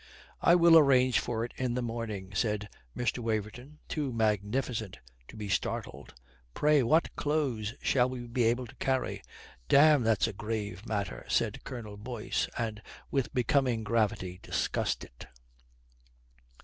"I will arrange for it in the morning," said Mr. Waverton, too magnificent to be startled. "Pray, what clothes shall we be able to carry?" "Damme, that's a grave matter," said Colonel Boyce, and with becoming gravity discussed it.